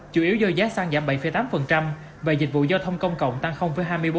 chủ yếu do giá xăng giảm bảy tám và dịch vụ giao thông công cộng tăng hai mươi bốn